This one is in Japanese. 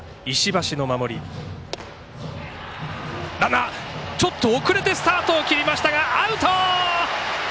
ランナー遅れてスタートを切りましたがアウト。